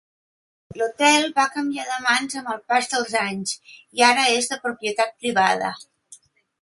L"hotel va canviar de mans amb el pas dels anys i ara és de propietat privada.